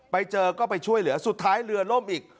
ไปเจอก็ไปช่วยเหลือสุดท้ายเรือล่มอีก